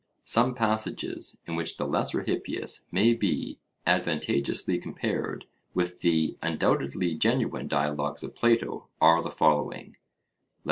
Some passages in which the Lesser Hippias may be advantageously compared with the undoubtedly genuine dialogues of Plato are the following: Less.